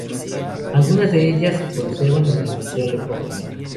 Algunas de ellas se conservan en el Museo Lecoq.